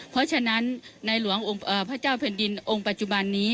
เพราะฉะนั้นในหลวงพระเจ้าแผ่นดินองค์ปัจจุบันนี้